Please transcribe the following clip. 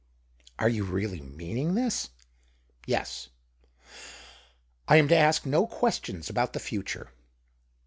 " Are you really meaning this ?"'' Yes." " I am to ask no questions about the future